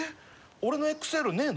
俺のＸＬねえの？